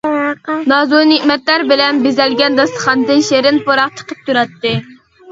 نازۇنېمەتلەر بىلەن بېزەلگەن داستىخاندىن شېرىن پۇراق چىقىپ تۇراتتى.